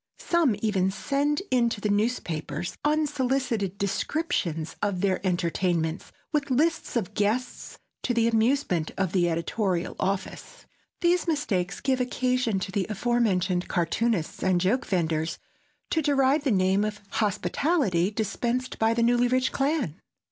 Some even send in to the newspapers unsolicited descriptions of their entertainments with lists of guests, to the amusement of the editorial office. These mistakes give occasion to the aforementioned cartoonists and joke venders to deride the name of hospitality dispensed by the Newlyrich clan.